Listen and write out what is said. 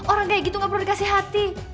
orang kayak gitu gak perlu dikasih hati